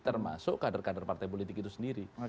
termasuk kader kader partai politik itu sendiri